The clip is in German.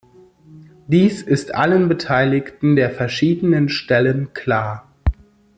Dies ist allen Beteiligten der verschiedenen Stellen klar.